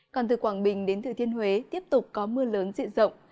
còn từ quảng bình đến thừa thiên huế tiếp tục có mưa lớn diện rộng